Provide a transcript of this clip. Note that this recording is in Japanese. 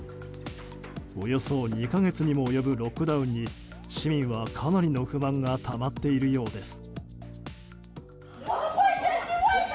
およそ２か月にも及ぶロックダウンに市民はかなりの不満がたまっているようです。